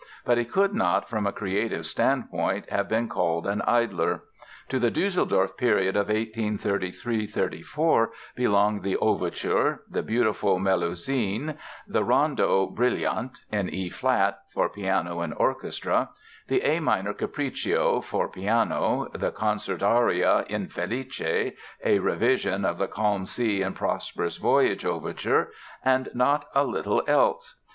But he could not, from a creative standpoint, have been called an idler. To the Düsseldorf period of 1833 34 belong the Overture "The Beautiful Melusine", the "Rondo Brillant" in E flat, for piano and orchestra, the A minor Capriccio for piano, the concert aria, "Infelice", a revision of the "Calm Sea and Prosperous Voyage" Overture and not a little else.